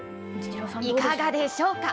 いかがでしょうか。